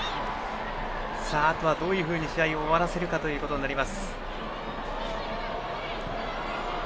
あとは、どういうふうに試合を終わらせるかということになります。